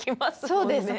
そうです